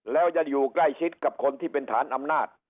แล้วจะอยู่ใกล้ชิดกับคนที่เป็นฐานอำนาจ